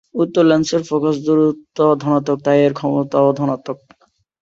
উত্তল লেন্সের ফোকাস দূরত্ব ধনাত্মক, তাই এর ক্ষমতাও ধনাত্মক।